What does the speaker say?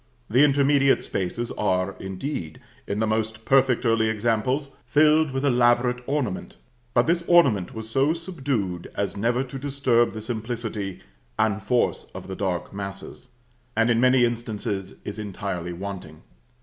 The intermediate spaces are, indeed, in the most perfect early examples, filled with elaborate ornament; but this ornament was so subdued as never to disturb the simplicity and force of the dark masses; and in many instances is entirely wanting.